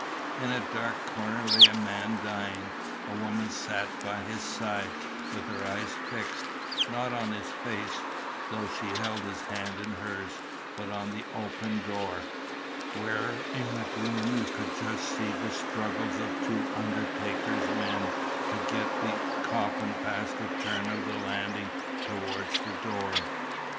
In a dark corner lay a man dying. A woman sat by his side, with her eyes fixed, not on his face, though she held his hand in hers, but on the open door, where in the gloom you could just see the struggles of two undertaker's men to get the coffin past the turn of the landing towards the door.